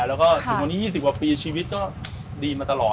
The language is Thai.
แล้วก็ถึงวันนี้๒๐กว่าปีชีวิตก็ดีมาตลอด